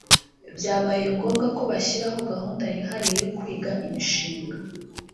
byabaye ngombwa ko bashyiraho gahunda yihariye yo kwiga imishinga